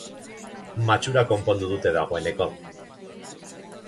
Matxura konpondu dute dagoeneko.